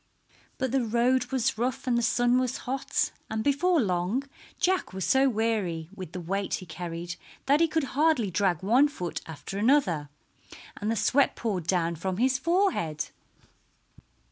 But the road was rough and the sun was hot, and before long Jack was so weary with the weight he carried that he could hardly drag one foot after another, and the sweat poured down from his forehead.